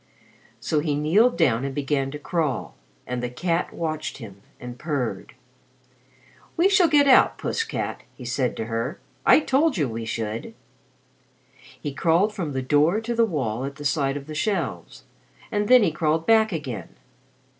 So he kneeled down and began to crawl, and the cat watched him and purred. "We shall get out, Puss cat," he said to her. "I told you we should." He crawled from the door to the wall at the side of the shelves, and then he crawled back again.